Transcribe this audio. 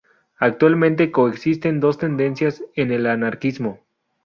Actualmente coexisten dos tendencias en el anarquismo.